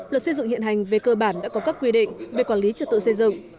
luật xây dựng hiện hành về cơ bản đã có các quy định về quản lý trật tự xây dựng